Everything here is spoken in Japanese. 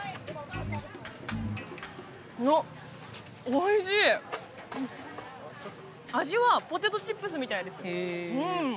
おいしい味はポテトチップスみたいです